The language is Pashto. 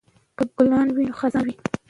که ګلان وي نو خزان نه وي.